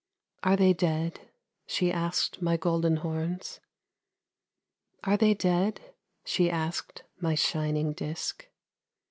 ' Are they dead ?' she asked my golden horns. ' Are they dead ?' she asked my shining disc.